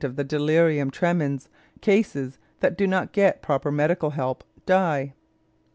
of the delirium tremens cases that do not get proper medical help die.